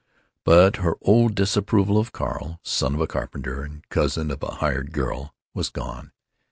But her old disapproval of Carl, son of a carpenter and cousin of a "hired girl," was gone.